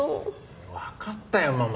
わかったよママ。